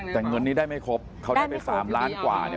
แต่เงินนี้ได้ไม่ครบได้ไม่ครบคุณพี่ค่ะประมาณ๓ล้านบาทกว่า